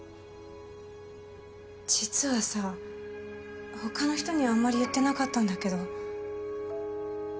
実はさ他の人にはあんまり言ってなかったんだけど。